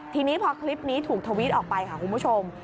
ทีนี้พอคลิปนี้ถูกทวิตออกไปค่ะคุณผู้ชม